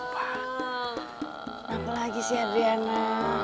kenapa lagi sih adriana